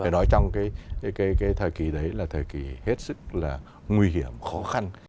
đó trong cái thời kỳ đấy là thời kỳ hết sức là nguy hiểm khó khăn